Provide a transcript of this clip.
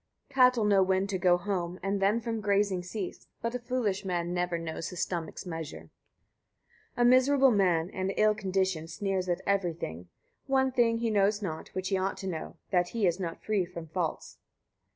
21. Cattle know when to go home, and then from grazing cease; but a foolish man never knows his stomach's measure. 22. A miserable man, and ill conditioned, sneers at every thing: one thing he knows not, which he ought to know, that he is not free from faults.